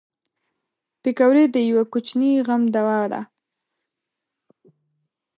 پکورې د یوه کوچني غم دوا ده